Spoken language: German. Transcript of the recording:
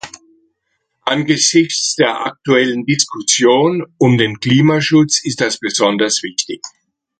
Angesichts der aktuellen Diskussion um den Klimaschutz ist das besonders wichtig.